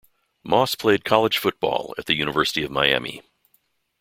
Moss played college football at the University of Miami.